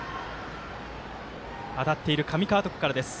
当たっている上川床からです。